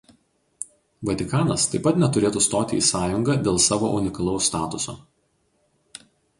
Vatikanas taip pat neturėtų stoti į sąjungą dėl savo unikalaus statuso.